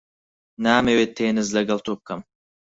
نامەوێت تێنس لەگەڵ تۆ بکەم.